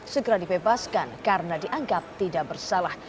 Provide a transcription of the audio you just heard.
segera dibebaskan karena dianggap tidak bersalah